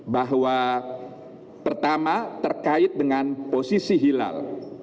bahwa pertama terkait dengan posisi hilal